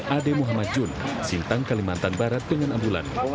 ade muhammad jun sintang kalimantan barat dengan ambulan